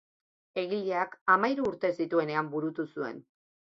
Egileak hamahiru urte zituenean burutu zuen.